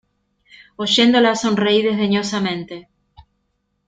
oyéndola, sonreí desdeñosamente.